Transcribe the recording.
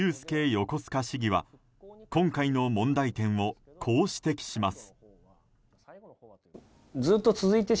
横須賀市議は今回の問題点をこう指摘します。